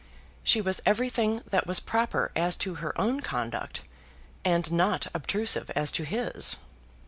She was everything that was proper as to her own conduct, and not obtrusive as to his.